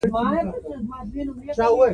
زه بو کور ته لوړ شم.